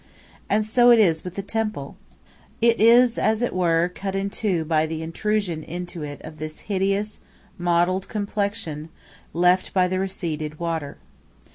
And so it is with the temple. It is, as it were, cut in two by the intrusion into it of this hideous, mottled complexion left by the receded water.